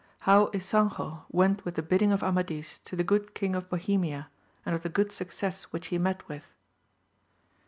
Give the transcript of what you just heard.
— How Ysanjo went with the bidding of Amadis to the good Xing of Bohemia, and of the good Buccess which he met with.